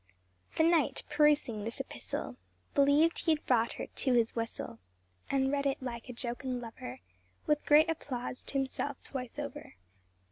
"The knight, perusing this epistle, Believ'd h' had brought her to his whistle. And read it like a jocund lover, With great applause t' himself twice over."